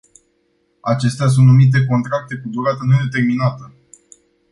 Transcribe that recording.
Acestea sunt numite contracte cu durată nedeterminată.